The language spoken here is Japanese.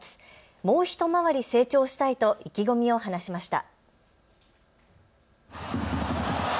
もう一回り成長したいと意気込みを話しました。